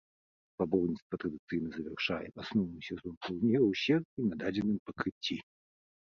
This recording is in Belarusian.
Спаборніцтва традыцыйна завяршае асноўны сезон турніраў серыі на дадзеным пакрыцці.